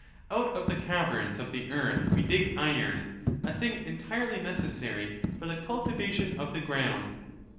Out of the caverns of the earth we dig iron, a thing entirely necessary for the cultivation of the ground.